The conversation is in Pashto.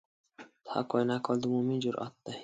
د حق وینا کول د مؤمن جرئت دی.